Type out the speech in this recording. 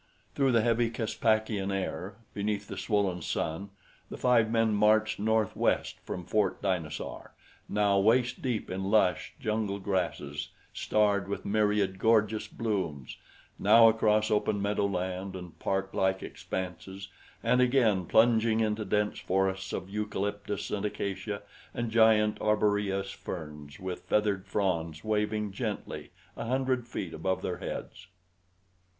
Through the heavy Caspakian air, beneath the swollen sun, the five men marched northwest from Fort Dinosaur, now waist deep in lush, jungle grasses starred with myriad gorgeous blooms, now across open meadow land and parklike expanses and again plunging into dense forests of eucalyptus and acacia and giant arboreous ferns with feathered fronds waving gently a hundred feet above their heads.